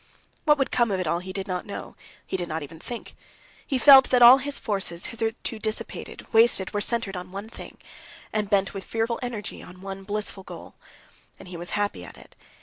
What would come of it all he did not know, he did not even think. He felt that all his forces, hitherto dissipated, wasted, were centered on one thing, and bent with fearful energy on one blissful goal. And he was happy at it.